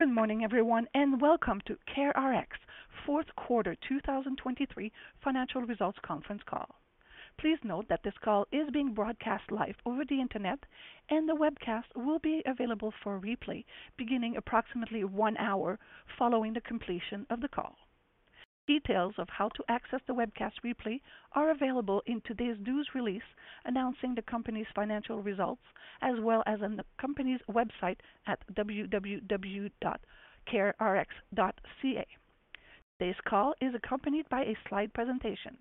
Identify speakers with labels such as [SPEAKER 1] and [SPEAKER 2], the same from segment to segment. [SPEAKER 1] Good morning, everyone, and welcome to CareRx Fourth Quarter 2023 Financial Results Conference Call. Please note that this call is being broadcast live over the internet, and the webcast will be available for replay beginning approximately one hour following the completion of the call. Details of how to access the webcast replay are available in today's news release announcing the company's financial results as well as on the company's website at www.carerx.ca. Today's call is accompanied by a slide presentation.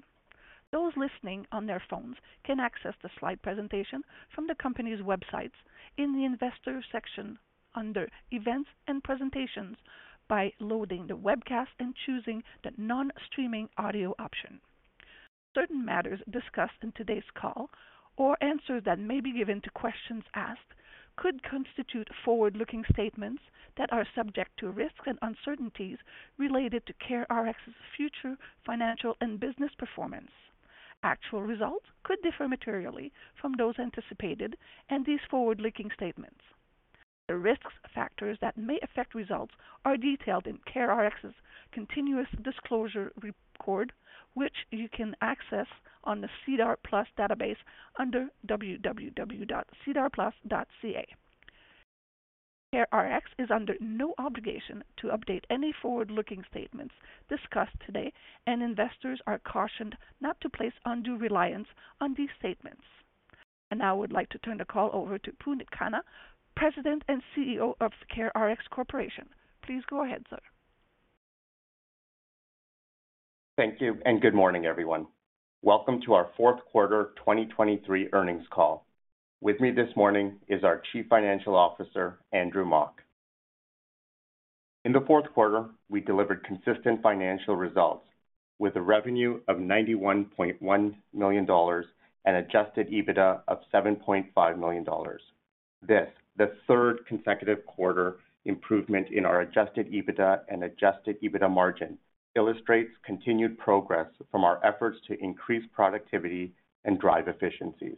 [SPEAKER 1] Those listening on their phones can access the slide presentation from the company's website in the investor section under Events and Presentations by loading the webcast and choosing the non-streaming audio option. Certain matters discussed in today's call, or answers that may be given to questions asked, could constitute forward-looking statements that are subject to risks and uncertainties related to CareRx's future financial and business performance. Actual results could differ materially from those anticipated and these forward-looking statements. The risks factors that may affect results are detailed in CareRx's continuous disclosure record, which you can access on the SEDAR+ database under www.sedarplus.ca. CareRx is under no obligation to update any forward-looking statements discussed today, and investors are cautioned not to place undue reliance on these statements. Now I would like to turn the call over to Puneet Khanna, President and CEO of CareRx Corporation. Please go ahead, sir.
[SPEAKER 2] Thank you, and good morning, everyone. Welcome to our Fourth Quarter 2023 Earnings Call. With me this morning is our Chief Financial Officer, Andrew Mok. In the fourth quarter, we delivered consistent financial results with a revenue of 91.1 million dollars and Adjusted EBITDA of 7.5 million dollars. This, the third consecutive quarter improvement in our Adjusted EBITDA and Adjusted EBITDA margin, illustrates continued progress from our efforts to increase productivity and drive efficiencies.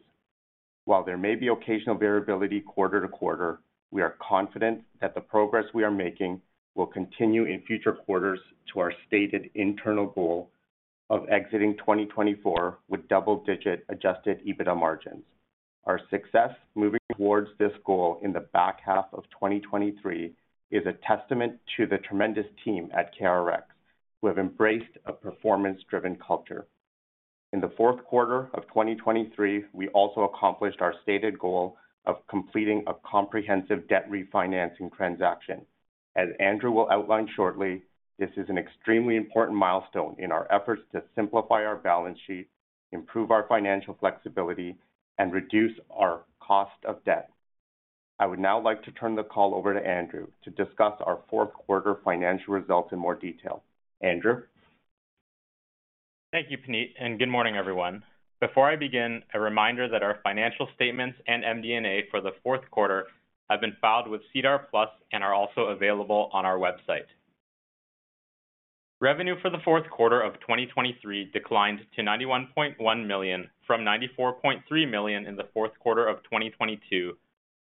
[SPEAKER 2] While there may be occasional variability quarter to quarter, we are confident that the progress we are making will continue in future quarters to our stated internal goal of exiting 2024 with double-digit Adjusted EBITDA margins. Our success moving towards this goal in the back half of 2023 is a testament to the tremendous team at CareRx, who have embraced a performance-driven culture. In the fourth quarter of 2023, we also accomplished our stated goal of completing a comprehensive debt refinancing transaction. As Andrew will outline shortly, this is an extremely important milestone in our efforts to simplify our balance sheet, improve our financial flexibility, and reduce our cost of debt. I would now like to turn the call over to Andrew to discuss our fourth quarter financial results in more detail. Andrew?
[SPEAKER 3] Thank you, Puneet, and good morning, everyone. Before I begin, a reminder that our financial statements and MD&A for the fourth quarter have been filed with SEDAR+ and are also available on our website. Revenue for the fourth quarter of 2023 declined to 91.1 million from 94.3 million in the fourth quarter of 2022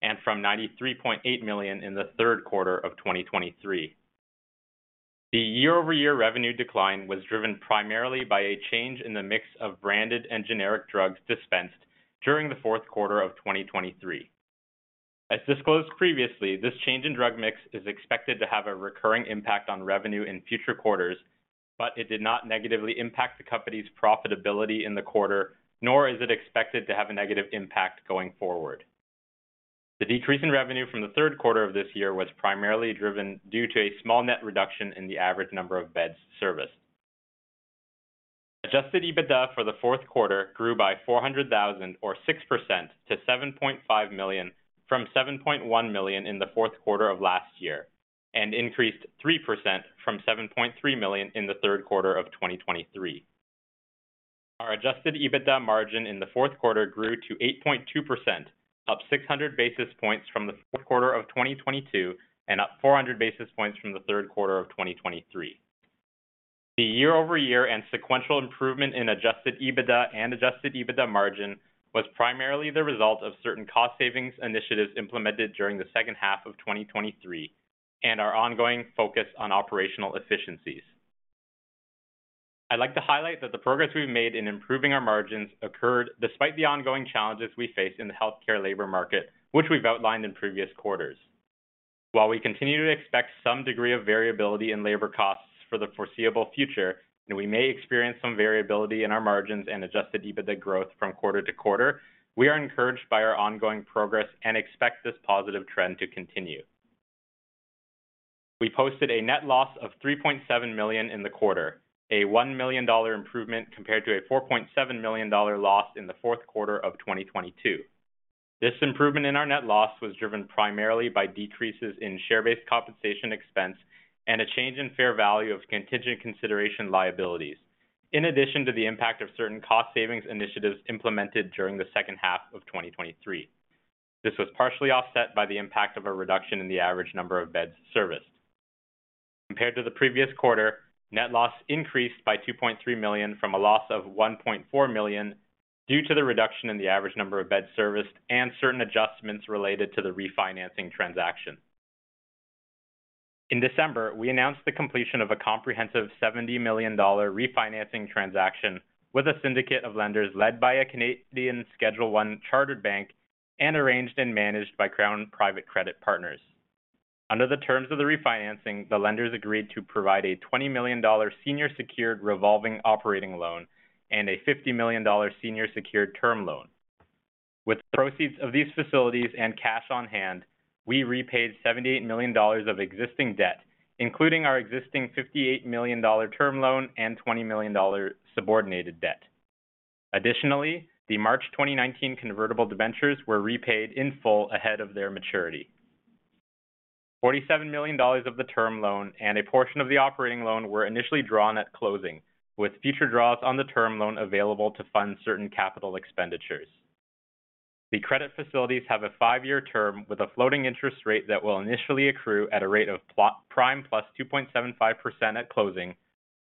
[SPEAKER 3] and from 93.8 million in the third quarter of 2023. The year-over-year revenue decline was driven primarily by a change in the mix of branded and generic drugs dispensed during the fourth quarter of 2023. As disclosed previously, this change in drug mix is expected to have a recurring impact on revenue in future quarters, but it did not negatively impact the company's profitability in the quarter, nor is it expected to have a negative impact going forward. The decrease in revenue from the third quarter of this year was primarily driven due to a small net reduction in the average number of beds serviced. Adjusted EBITDA for the fourth quarter grew by 400,000, or 6%, to 7.5 million from 7.1 million in the fourth quarter of last year and increased 3% from 7.3 million in the third quarter of 2023. Our adjusted EBITDA margin in the fourth quarter grew to 8.2%, up 600 basis points from the fourth quarter of 2022 and up 400 basis points from the third quarter of 2023. The year-over-year and sequential improvement in adjusted EBITDA and adjusted EBITDA margin was primarily the result of certain cost-savings initiatives implemented during the second half of 2023 and our ongoing focus on operational efficiencies. I'd like to highlight that the progress we've made in improving our margins occurred despite the ongoing challenges we face in the healthcare labor market, which we've outlined in previous quarters. While we continue to expect some degree of variability in labor costs for the foreseeable future, and we may experience some variability in our margins and Adjusted EBITDA growth from quarter to quarter, we are encouraged by our ongoing progress and expect this positive trend to continue. We posted a net loss of 3.7 million in the quarter, a 1 million dollar improvement compared to a 4.7 million dollar loss in the fourth quarter of 2022. This improvement in our net loss was driven primarily by decreases in share-based compensation expense and a change in fair value of contingent consideration liabilities, in addition to the impact of certain cost-savings initiatives implemented during the second half of 2023. This was partially offset by the impact of a reduction in the average number of beds serviced. Compared to the previous quarter, net loss increased by 2.3 million from a loss of 1.4 million due to the reduction in the average number of beds serviced and certain adjustments related to the refinancing transaction. In December, we announced the completion of a comprehensive 70 million dollar refinancing transaction with a syndicate of lenders led by a Canadian Schedule I chartered bank and arranged and managed by Crown Private Credit Partners. Under the terms of the refinancing, the lenders agreed to provide a 20 million dollar senior-secured revolving operating loan and a 50 million dollar senior-secured term loan. With the proceeds of these facilities and cash on hand, we repaid 78 million dollars of existing debt, including our existing 58 million dollar term loan and 20 million dollar subordinated debt. Additionally, the March 2019 convertible debentures were repaid in full ahead of their maturity. 47 million dollars of the term loan and a portion of the operating loan were initially drawn at closing, with future draws on the term loan available to fund certain capital expenditures. The credit facilities have a five-year term with a floating interest rate that will initially accrue at a rate of prime plus 2.75% at closing,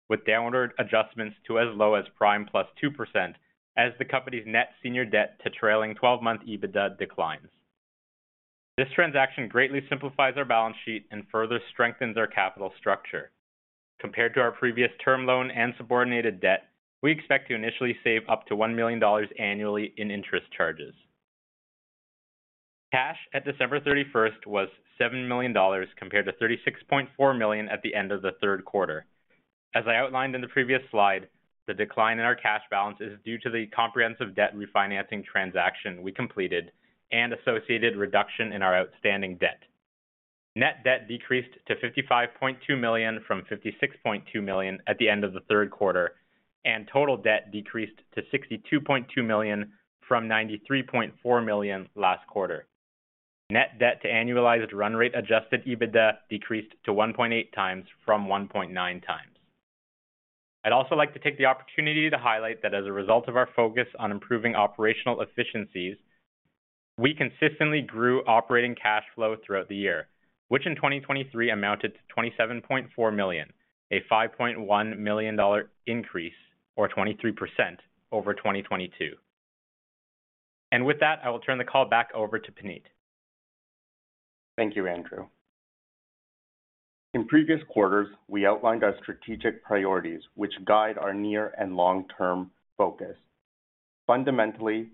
[SPEAKER 3] with downward adjustments to as low as prime plus 2% as the company's net senior debt to trailing 12-month EBITDA declines. This transaction greatly simplifies our balance sheet and further strengthens our capital structure. Compared to our previous term loan and subordinated debt, we expect to initially save up to 1 million dollars annually in interest charges. Cash at December 31st was 7 million dollars compared to 36.4 million at the end of the third quarter. As I outlined in the previous slide, the decline in our cash balance is due to the comprehensive debt refinancing transaction we completed and associated reduction in our outstanding debt. Net debt decreased to 55.2 million from 56.2 million at the end of the third quarter, and total debt decreased to 62.2 million from 93.4 million last quarter. Net debt to annualized run-rate Adjusted EBITDA decreased to 1.8 times from 1.9 times. I'd also like to take the opportunity to highlight that as a result of our focus on improving operational efficiencies, we consistently grew operating cash flow throughout the year, which in 2023 amounted to 27.4 million, a 5.1 million dollar increase, or 23%, over 2022. And with that, I will turn the call back over to Puneet.
[SPEAKER 2] Thank you, Andrew. In previous quarters, we outlined our strategic priorities, which guide our near and long-term focus. Fundamentally,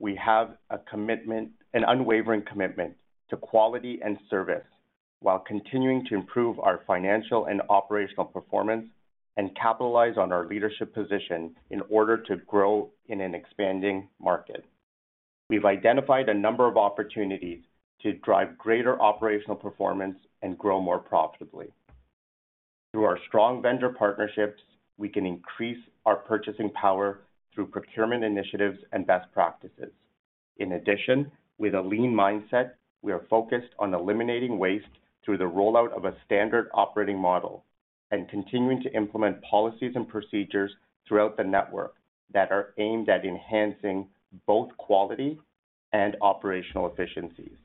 [SPEAKER 2] we have an unwavering commitment to quality and service while continuing to improve our financial and operational performance and capitalize on our leadership position in order to grow in an expanding market. We've identified a number of opportunities to drive greater operational performance and grow more profitably. Through our strong vendor partnerships, we can increase our purchasing power through procurement initiatives and best practices. In addition, with a lean mindset, we are focused on eliminating waste through the rollout of a standard operating model and continuing to implement policies and procedures throughout the network that are aimed at enhancing both quality and operational efficiencies.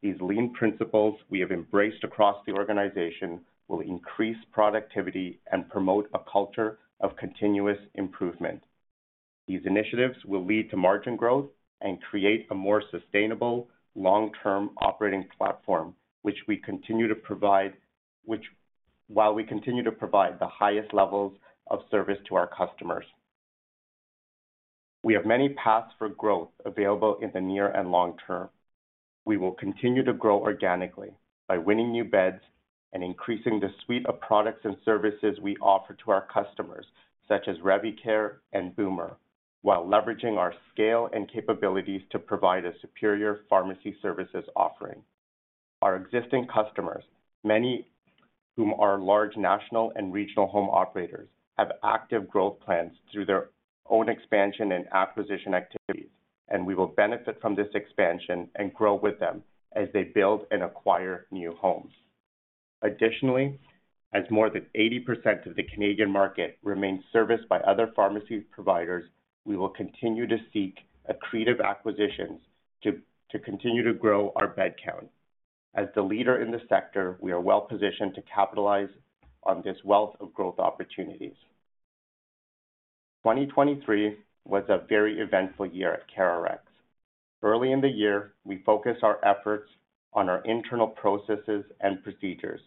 [SPEAKER 2] These lean principles we have embraced across the organization will increase productivity and promote a culture of continuous improvement. These initiatives will lead to margin growth and create a more sustainable, long-term operating platform, while we continue to provide the highest levels of service to our customers. We have many paths for growth available in the near and long term. We will continue to grow organically by winning new beds and increasing the suite of products and services we offer to our customers, such as Revycare and Boomer, while leveraging our scale and capabilities to provide a superior pharmacy services offering. Our existing customers, many whom are large national and regional home operators, have active growth plans through their own expansion and acquisition activities, and we will benefit from this expansion and grow with them as they build and acquire new homes. Additionally, as more than 80% of the Canadian market remains serviced by other pharmacy providers, we will continue to seek accretive acquisitions to continue to grow our bed count. As the leader in the sector, we are well positioned to capitalize on this wealth of growth opportunities. 2023 was a very eventful year at CareRx. Early in the year, we focused our efforts on our internal processes and procedures.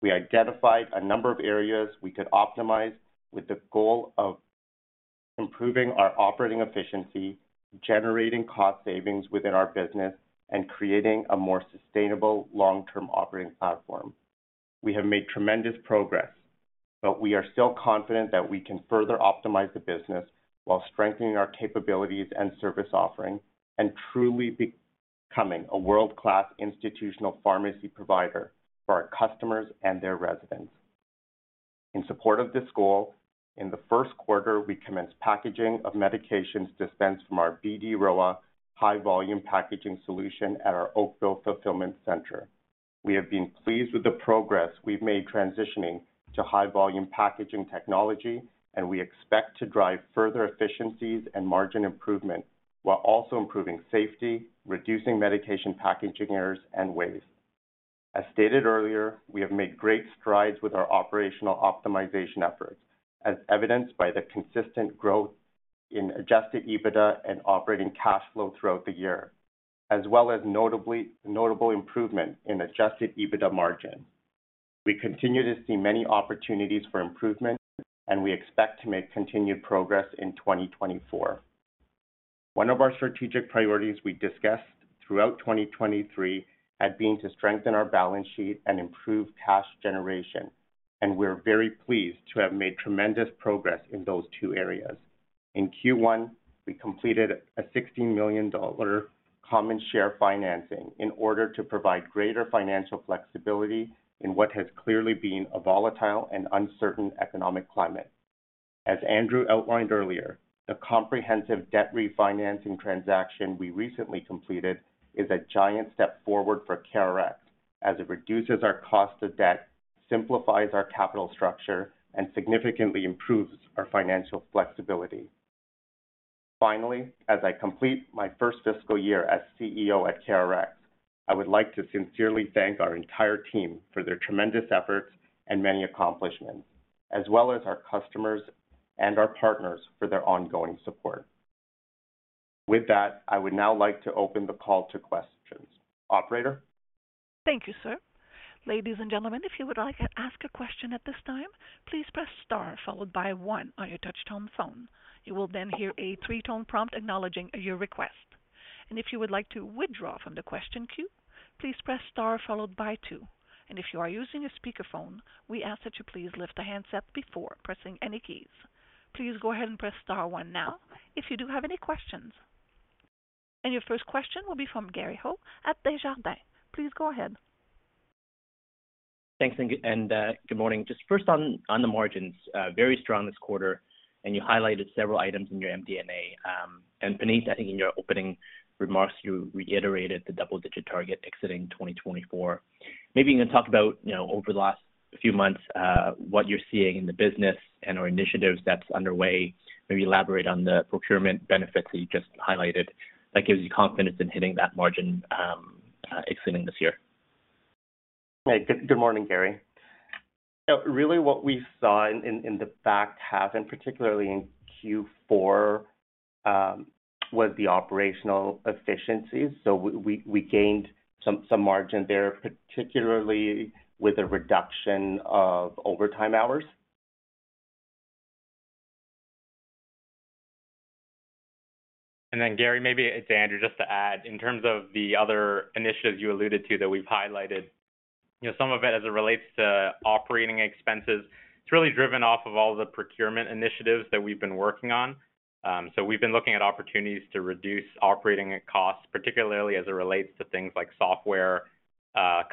[SPEAKER 2] We identified a number of areas we could optimize with the goal of improving our operating efficiency, generating cost savings within our business, and creating a more sustainable, long-term operating platform. We have made tremendous progress, but we are still confident that we can further optimize the business while strengthening our capabilities and service offering and truly becoming a world-class institutional pharmacy provider for our customers and their residents. In support of this goal, in the first quarter, we commenced packaging of medications dispensed from our BD Rowa high-volume packaging solution at our Oakville Fulfillment Center. We have been pleased with the progress we've made transitioning to high-volume packaging technology, and we expect to drive further efficiencies and margin improvement while also improving safety, reducing medication packaging errors, and waste. As stated earlier, we have made great strides with our operational optimization efforts, as evidenced by the consistent growth in Adjusted EBITDA and operating cash flow throughout the year, as well as notable improvement in Adjusted EBITDA margins. We continue to see many opportunities for improvement, and we expect to make continued progress in 2024. One of our strategic priorities we discussed throughout 2023 had been to strengthen our balance sheet and improve cash generation, and we're very pleased to have made tremendous progress in those two areas. In Q1, we completed a 16 million dollar common share financing in order to provide greater financial flexibility in what has clearly been a volatile and uncertain economic climate. As Andrew outlined earlier, the comprehensive debt refinancing transaction we recently completed is a giant step forward for CareRx as it reduces our cost of debt, simplifies our capital structure, and significantly improves our financial flexibility. Finally, as I complete my first fiscal year as CEO at CareRx, I would like to sincerely thank our entire team for their tremendous efforts and many accomplishments, as well as our customers and our partners for their ongoing support. With that, I would now like to open the call to questions. Operator?
[SPEAKER 4] Thank you, sir. Ladies and gentlemen, if you would like to ask a question at this time, please press star followed by one on your touch-tone phone. You will then hear a three-tone prompt acknowledging your request. And if you would like to withdraw from the question queue, please press star followed by two. And if you are using a speakerphone, we ask that you please lift the handset before pressing any keys. Please go ahead and press star one now if you do have any questions. And your first question will be from Gary Ho at Desjardins. Please go ahead.
[SPEAKER 5] Thanks, and good morning. Just first, on the margins, very strong this quarter, and you highlighted several items in your MD&A. Puneet, I think in your opening remarks, you reiterated the double-digit target exiting 2024. Maybe you can talk about, over the last few months, what you're seeing in the business and/or initiatives that's underway. Maybe elaborate on the procurement benefits that you just highlighted. That gives you confidence in hitting that margin exiting this year.
[SPEAKER 2] Good morning, Gary. Really, what we saw in the back half, and particularly in Q4, was the operational efficiencies. So we gained some margin there, particularly with a reduction of overtime hours.
[SPEAKER 3] And then, Gary, maybe it's Andrew just to add. In terms of the other initiatives you alluded to that we've highlighted, some of it as it relates to operating expenses, it's really driven off of all the procurement initiatives that we've been working on. So we've been looking at opportunities to reduce operating costs, particularly as it relates to things like software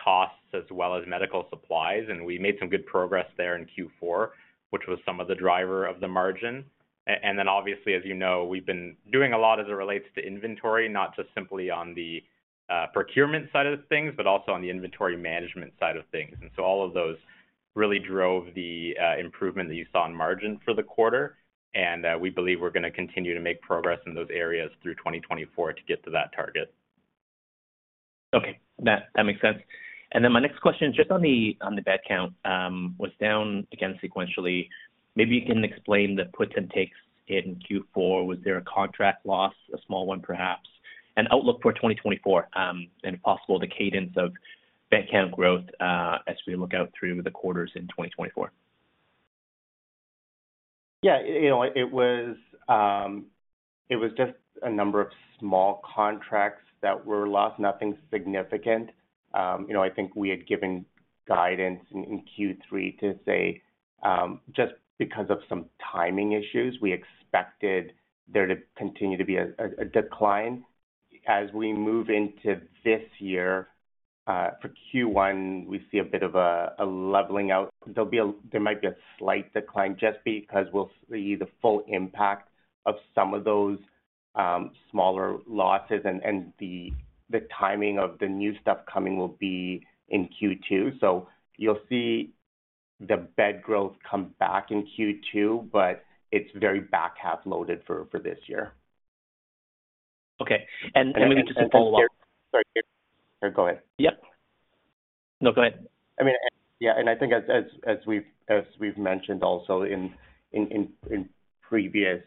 [SPEAKER 3] costs as well as medical supplies. And we made some good progress there in Q4, which was some of the driver of the margin. And then, obviously, as you know, we've been doing a lot as it relates to inventory, not just simply on the procurement side of things, but also on the inventory management side of things. And so all of those really drove the improvement that you saw in margin for the quarter. And we believe we're going to continue to make progress in those areas through 2024 to get to that target.
[SPEAKER 5] Okay, that makes sense. And then my next question is just on the bed count, was down again sequentially. Maybe you can explain the puts and takes in Q4. Was there a contract loss, a small one perhaps? An outlook for 2024, and if possible, the cadence of bed count growth as we look out through the quarters in 2024.
[SPEAKER 2] Yeah, it was just a number of small contracts that were lost, nothing significant. I think we had given guidance in Q3 to say, just because of some timing issues, we expected there to continue to be a decline. As we move into this year, for Q1, we see a bit of a leveling out. There might be a slight decline just because we'll see the full impact of some of those smaller losses, and the timing of the new stuff coming will be in Q2. So you'll see the bed growth come back in Q2, but it's very back half loaded for this year.
[SPEAKER 5] Okay, and maybe just a follow-up.
[SPEAKER 2] Sorry, Gary. Go ahead.
[SPEAKER 5] Yep. No, go ahead.
[SPEAKER 2] I mean, yeah, and I think as we've mentioned also in previous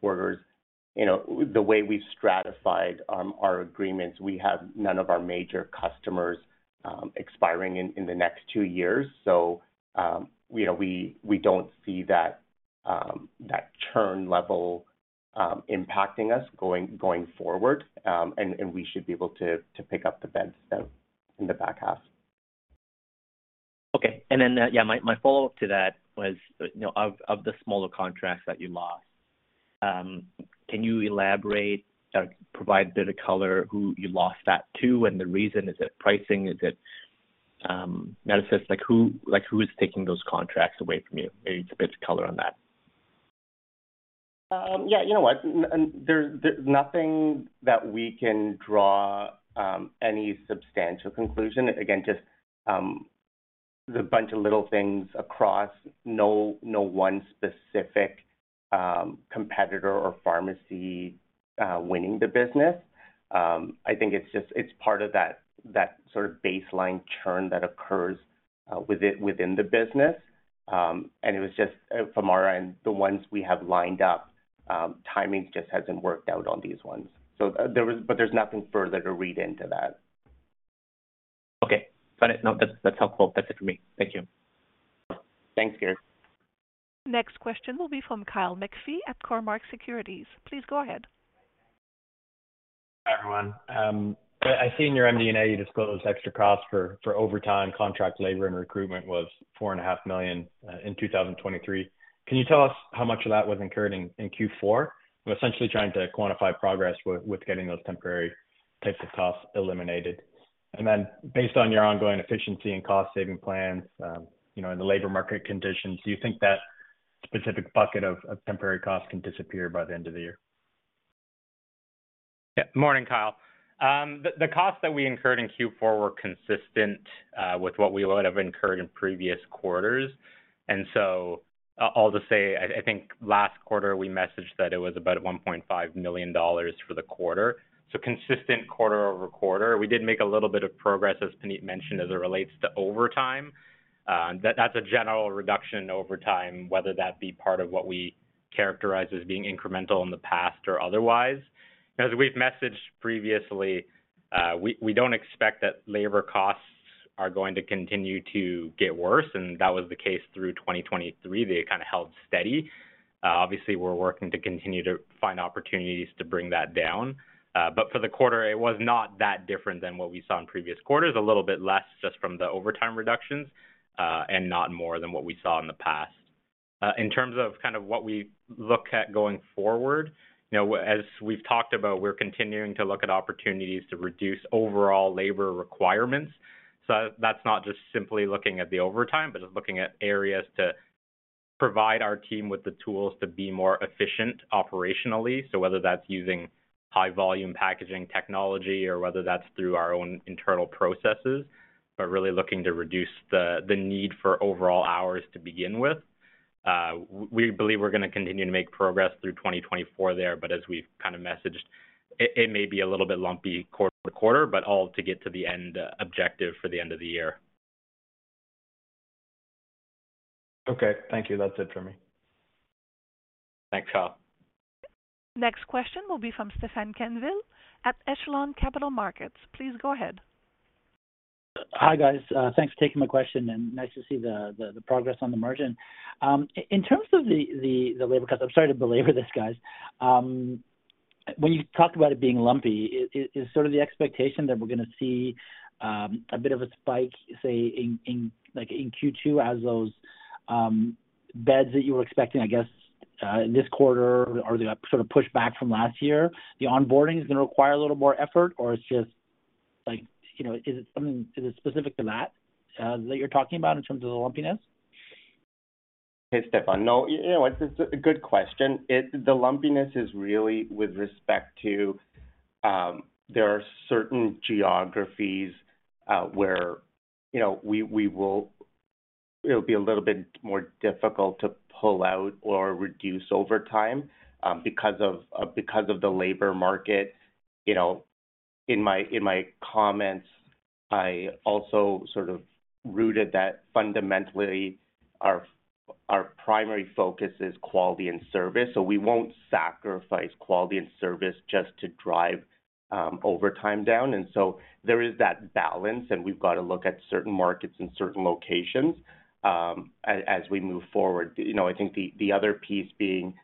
[SPEAKER 2] quarters, the way we've stratified our agreements, we have none of our major customers expiring in the next two years. So we don't see that churn level impacting us going forward, and we should be able to pick up the beds in the back half.
[SPEAKER 5] Okay, and then, yeah, my follow-up to that was, of the smaller contracts that you lost, can you elaborate or provide a bit of color who you lost that to and the reason? Is it pricing? Is it manifest? Who is taking those contracts away from you? Maybe it's a bit of color on that.
[SPEAKER 2] Yeah, you know what? There's nothing that we can draw any substantial conclusion. Again, just a bunch of little things across, no one specific competitor or pharmacy winning the business. I think it's part of that sort of baseline churn that occurs within the business. And it was just Famara, and the ones we have lined up, timing just hasn't worked out on these ones. But there's nothing further to read into that.
[SPEAKER 5] Okay, got it. No, that's helpful. That's it for me. Thank you.
[SPEAKER 2] Thanks, Gary.
[SPEAKER 4] Next question will be from Kyle McPhee at Cormark Securities. Please go ahead.
[SPEAKER 6] Hi, everyone. I see in your MD&A you disclosed extra costs for overtime contract labor and recruitment was 4.5 million in 2023. Can you tell us how much of that was incurred in Q4? I'm essentially trying to quantify progress with getting those temporary types of costs eliminated. And then based on your ongoing efficiency and cost-saving plans and the labor market conditions, do you think that specific bucket of temporary costs can disappear by the end of the year?
[SPEAKER 3] Yeah, morning, Kyle. The costs that we incurred in Q4 were consistent with what we would have incurred in previous quarters. And so I'll just say, I think last quarter we messaged that it was about 1.5 million dollars for the quarter. So consistent quarter-over-quarter. We did make a little bit of progress, as Puneet mentioned, as it relates to overtime. That's a general reduction in overtime, whether that be part of what we characterize as being incremental in the past or otherwise. As we've messaged previously, we don't expect that labor costs are going to continue to get worse, and that was the case through 2023. They kind of held steady. Obviously, we're working to continue to find opportunities to bring that down. But for the quarter, it was not that different than what we saw in previous quarters, a little bit less just from the overtime reductions and not more than what we saw in the past. In terms of kind of what we look at going forward, as we've talked about, we're continuing to look at opportunities to reduce overall labor requirements. So that's not just simply looking at the overtime, but just looking at areas to provide our team with the tools to be more efficient operationally. So whether that's using high-volume packaging technology or whether that's through our own internal processes, but really looking to reduce the need for overall hours to begin with. We believe we're going to continue to make progress through 2024 there, but as we've kind of messaged, it may be a little bit lumpy quarter to quarter, but all to get to the end objective for the end of the year.
[SPEAKER 6] Okay, thank you. That's it for me.
[SPEAKER 3] Thanks, Kyle.
[SPEAKER 4] Next question will be from Stefan Quenneville at Echelon Capital Markets. Please go ahead.
[SPEAKER 7] Hi, guys. Thanks for taking my question, and nice to see the progress on the margin. In terms of the labor costs, I'm sorry to belabor this, guys. When you talked about it being lumpy, is sort of the expectation that we're going to see a bit of a spike, say, in Q2 as those beds that you were expecting, I guess, this quarter or the sort of pushback from last year? The onboarding is going to require a little more effort, or is it just something specific to that that you're talking about in terms of the lumpiness?
[SPEAKER 2] Hey, Stefan. No, it's a good question. The lumpiness is really with respect to there are certain geographies where it'll be a little bit more difficult to pull out or reduce overtime because of the labor market. In my comments, I also sort of noted that fundamentally our primary focus is quality and service. So we won't sacrifice quality and service just to drive overtime down. And so there is that balance, and we've got to look at certain markets and certain locations as we move forward. I think the other piece being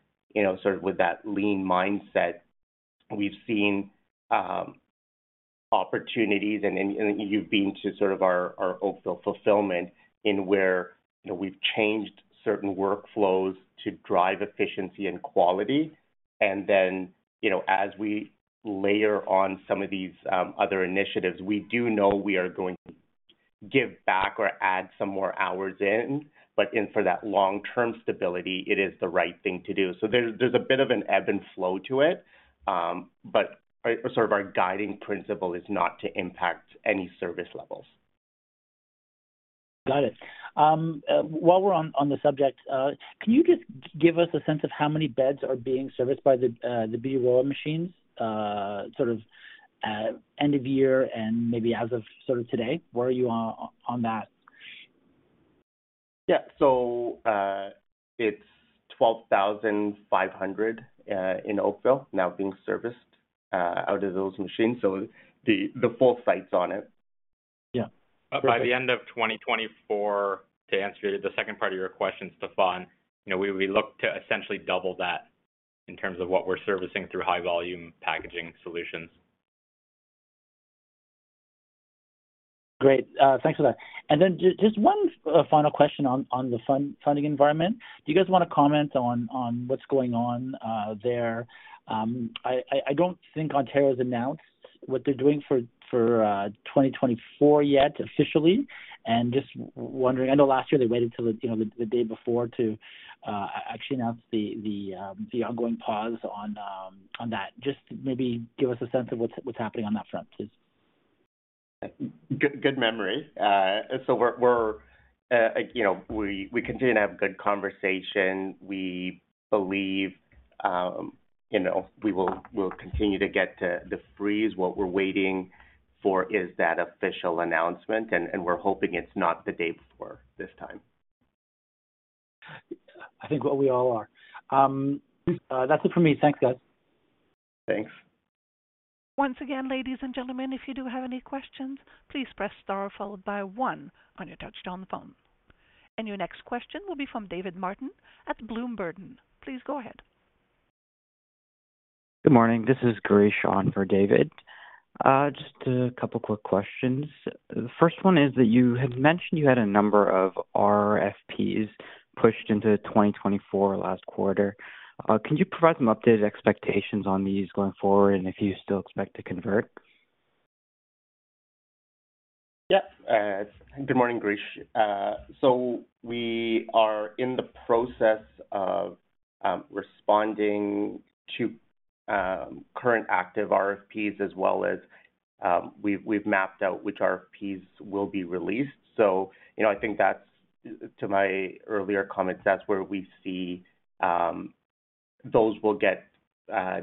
[SPEAKER 2] sort of with that lean mindset, we've seen opportunities, and you've been to sort of our Oakville Fulfillment Center where we've changed certain workflows to drive efficiency and quality. And then as we layer on some of these other initiatives, we do know we are going to give back or add some more hours in, but for that long-term stability, it is the right thing to do. So there's a bit of an ebb and flow to it, but sort of our guiding principle is not to impact any service levels.
[SPEAKER 7] Got it. While we're on the subject, can you just give us a sense of how many beds are being serviced by the BD Rowa machines, sort of end of year and maybe as of sort of today? Where are you on that?
[SPEAKER 2] Yeah, so it's 12,500 in Oakville now being serviced out of those machines, so the full sites on it.
[SPEAKER 5] Yeah.
[SPEAKER 3] By the end of 2024, to answer the second part of your question, Stefan, we look to essentially double that in terms of what we're servicing through high-volume packaging solutions.
[SPEAKER 7] Great. Thanks for that. And then just one final question on the funding environment. Do you guys want to comment on what's going on there? I don't think Ontario has announced what they're doing for 2024 yet officially. And just wondering I know last year they waited till the day before to actually announce the ongoing pause on that. Just maybe give us a sense of what's happening on that front, please.
[SPEAKER 2] Good memory. So we continue to have good conversation. We believe we will continue to get to the freeze. What we're waiting for is that official announcement, and we're hoping it's not the day before this time.
[SPEAKER 7] I think what we all are. That's it for me. Thanks, guys.
[SPEAKER 2] Thanks.
[SPEAKER 4] Once again, ladies and gentlemen, if you do have any questions, please press star followed by one on your touch-tone phone. Your next question will be from David Martin at Bloom Burton. Please go ahead.
[SPEAKER 8] Good morning. This is Gary Sean for David. Just a couple of quick questions. The first one is that you had mentioned you had a number of RFPs pushed into 2024 last quarter. Can you provide some updated expectations on these going forward and if you still expect to convert?
[SPEAKER 2] Yep. Good morning, Grish. So we are in the process of responding to current active RFPs as well as we've mapped out which RFPs will be released. So I think that's to my earlier comments, that's where we see those will get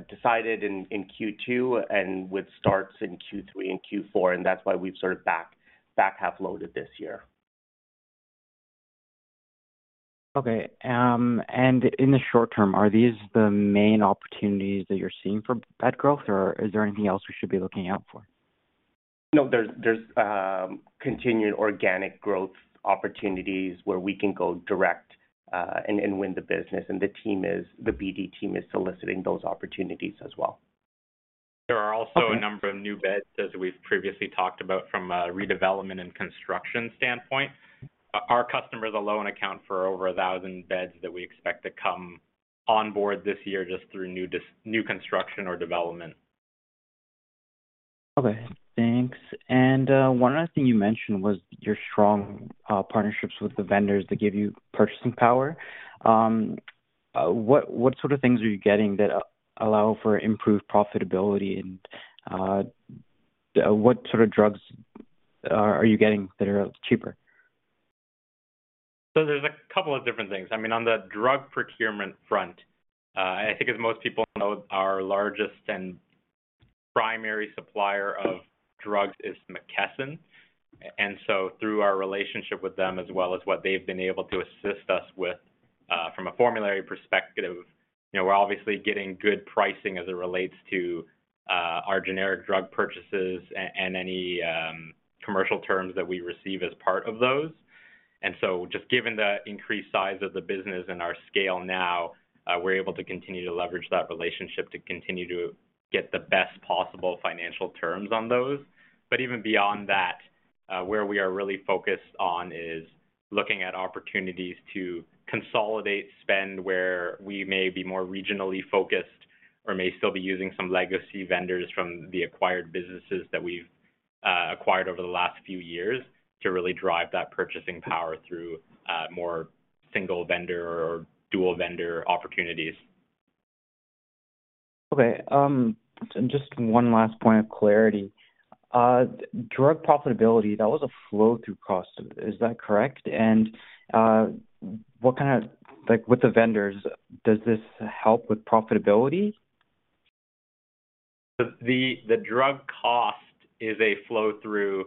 [SPEAKER 2] decided in Q2 and would start in Q3 and Q4. And that's why we've sort of back half loaded this year.
[SPEAKER 8] Okay. In the short term, are these the main opportunities that you're seeing for bed growth, or is there anything else we should be looking out for?
[SPEAKER 2] No, there's continued organic growth opportunities where we can go direct and win the business. And the BD team is soliciting those opportunities as well.
[SPEAKER 3] There are also a number of new beds, as we've previously talked about, from a redevelopment and construction standpoint. Our customers alone account for over 1,000 beds that we expect to come onboard this year just through new construction or development.
[SPEAKER 8] Okay, thanks. One other thing you mentioned was your strong partnerships with the vendors that give you purchasing power. What sort of things are you getting that allow for improved profitability? What sort of drugs are you getting that are cheaper?
[SPEAKER 3] So there's a couple of different things. I mean, on the drug procurement front, I think as most people know, our largest and primary supplier of drugs is McKesson. And so through our relationship with them as well as what they've been able to assist us with from a formulary perspective, we're obviously getting good pricing as it relates to our generic drug purchases and any commercial terms that we receive as part of those. And so just given the increased size of the business and our scale now, we're able to continue to leverage that relationship to continue to get the best possible financial terms on those. But even beyond that, where we are really focused on is looking at opportunities to consolidate spend where we may be more regionally focused or may still be using some legacy vendors from the acquired businesses that we've acquired over the last few years to really drive that purchasing power through more single vendor or dual vendor opportunities.
[SPEAKER 8] Okay. Just one last point of clarity. Drug profitability, that was a flow-through cost. Is that correct? What kind of with the vendors, does this help with profitability?
[SPEAKER 3] The drug cost is a flow-through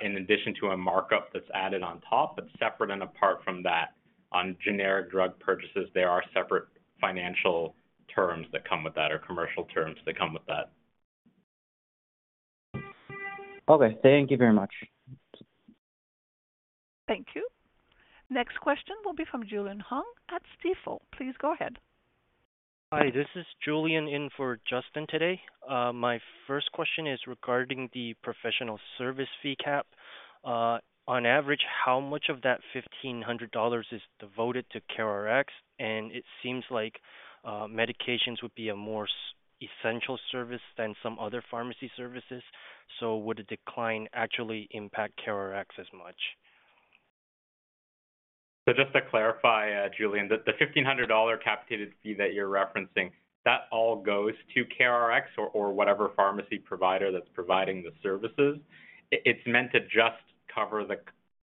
[SPEAKER 3] in addition to a markup that's added on top, but separate and apart from that. On generic drug purchases, there are separate financial terms that come with that or commercial terms that come with that.
[SPEAKER 8] Okay. Thank you very much.
[SPEAKER 4] Thank you. Next question will be from Julian Hung at Stifel. Please go ahead.
[SPEAKER 9] Hi, this is Julian in for Justin today. My first question is regarding the professional service fee cap. On average, how much of that 1,500 dollars is devoted to CareRx? And it seems like medications would be a more essential service than some other pharmacy services. So would a decline actually impact CareRx as much?
[SPEAKER 3] So just to clarify, Julian, the CAD 1,500 capitated fee that you're referencing, that all goes to CareRx or whatever pharmacy provider that's providing the services. It's meant to just cover the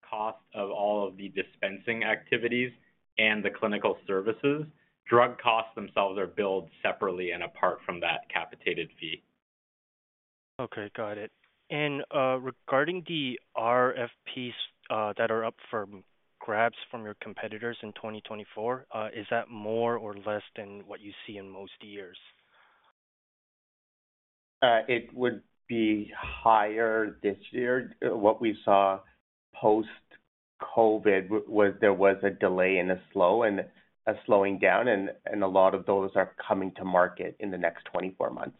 [SPEAKER 3] cost of all of the dispensing activities and the clinical services. Drug costs themselves are billed separately and apart from that capitated fee.
[SPEAKER 9] Okay, got it. Regarding the RFPs that are up for grabs from your competitors in 2024, is that more or less than what you see in most years?
[SPEAKER 2] It would be higher this year. What we saw post-COVID was there was a delay and a slowing down, and a lot of those are coming to market in the next 24 months.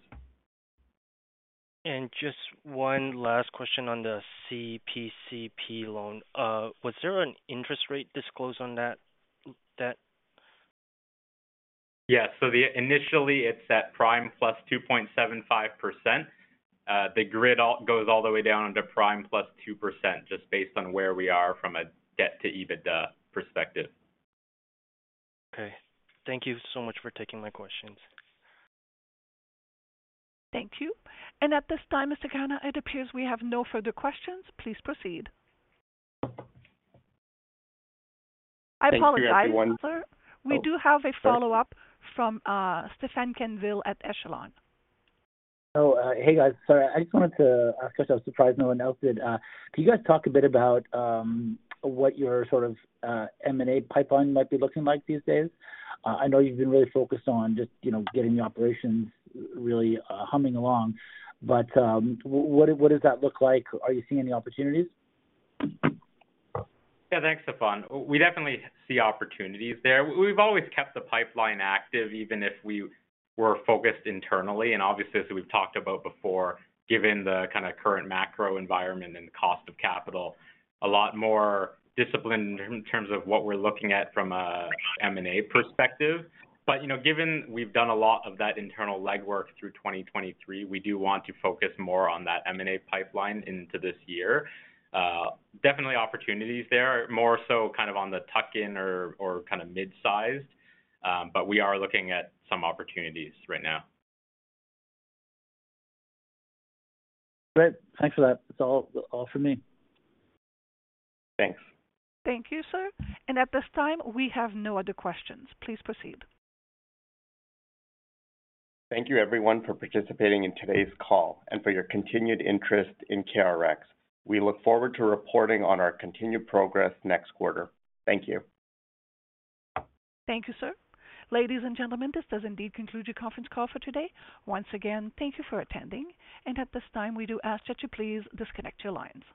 [SPEAKER 9] Just one last question on the CPCP loan. Was there an interest rate disclosed on that?
[SPEAKER 3] Yeah. So initially, it's at prime plus 2.75%. The grid goes all the way down into prime plus 2% just based on where we are from a debt-to-EBITDA perspective.
[SPEAKER 9] Okay. Thank you so much for taking my questions.
[SPEAKER 4] Thank you. At this time, Mr. Khanna, it appears we have no further questions. Please proceed. I apologize, Suzanne. We do have a follow-up from Stefan Quenneville at Echelon.
[SPEAKER 7] Hey, guys. Sorry, I just wanted to ask you because I was surprised no one else did. Can you guys talk a bit about what your sort of M&A pipeline might be looking like these days? I know you've been really focused on just getting the operations really humming along, but what does that look like? Are you seeing any opportunities?
[SPEAKER 3] Yeah, thanks, Stefan. We definitely see opportunities there. We've always kept the pipeline active even if we were focused internally. And obviously, as we've talked about before, given the kind of current macro environment and the cost of capital, a lot more disciplined in terms of what we're looking at from an M&A perspective. But given we've done a lot of that internal legwork through 2023, we do want to focus more on that M&A pipeline into this year. Definitely opportunities there, more so kind of on the tuck-in or kind of mid-sized, but we are looking at some opportunities right now.
[SPEAKER 7] Great. Thanks for that. That's all from me.
[SPEAKER 3] Thanks.
[SPEAKER 4] Thank you, sir. At this time, we have no other questions. Please proceed.
[SPEAKER 6] Thank you, everyone, for participating in today's call and for your continued interest in CareRx. We look forward to reporting on our continued progress next quarter. Thank you.
[SPEAKER 4] Thank you, sir. Ladies and gentlemen, this does indeed conclude your conference call for today. Once again, thank you for attending. At this time, we do ask that you please disconnect your lines.